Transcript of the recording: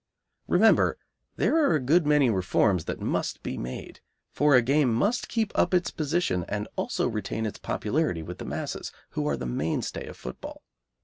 Remember, there are a good many reforms that must be made, for a game must keep up its position and also retain its popularity with the masses, who are the mainstay of football.